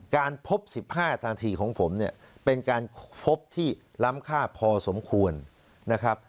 การพบ๑๕นาทีของผมเนี่ยเป็นการพบที่ล้ำค่าพอสมควรนะครับ